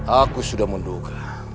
aku sudah menduga